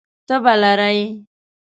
تبه لرئ؟